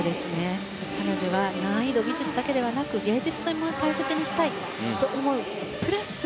彼女は難易度、技術だけではなく芸術性も大切にしているプラス